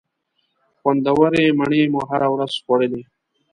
خوندورې مڼې مو هره ورځ خوړلې.